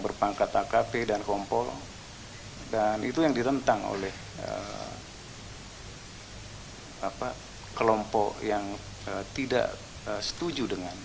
berpangkat akp dan kompol dan itu yang ditentang oleh apa kelompok yang tidak setuju dengan